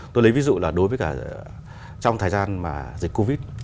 tôi lấy ví dụ là đối với cả trong thời gian mà dịch covid